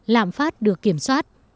lạm phát được kiểm soát